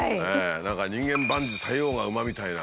何か「人間万事塞翁が馬」みたいな。